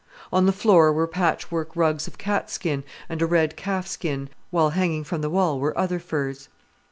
On the floor were patchwork rugs of cat skin, and a red calf skin, while hanging from the wall were other furs.